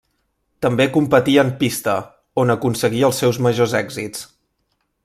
També competí en pista, on aconseguí els seus majors èxits.